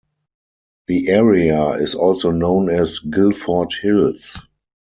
The area is also known as Guilford Hills.